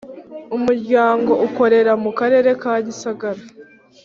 Umuryango ukorera mu karere ka gisagara